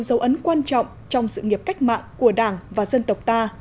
dấu ấn quan trọng trong sự nghiệp cách mạng của đảng và dân tộc ta